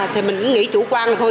thì mình nghĩ chủ quan là thôi